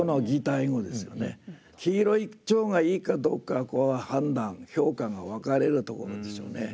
「黄色い蝶」がいいかどうかはここは判断評価が分かれるところですよね。